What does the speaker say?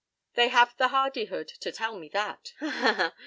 They have the hardihood to tell me that.